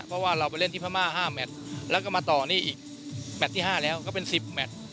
เพราะว่าเราไปเล่นที่พม่า๕แมทแล้วก็มาต่อนี่อีกแมทที่๕แล้วก็เป็น๑๐แมท